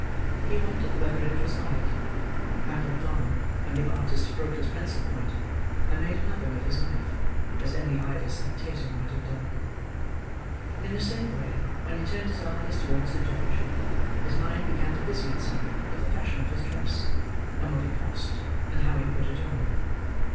He wondered whether it was like, and looked on when the artist broke his pencil point, and made another with his knife, as any idle spectator might have done. In the same way, when he turned his eyes towards the judge, his mind began to busy itself with the fashion of his dress, and what it cost, and how he put it on.